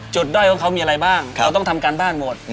ด้อยของเขามีอะไรบ้างเราต้องทำการบ้านหมด